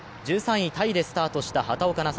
１３位タイでスタートした畑岡奈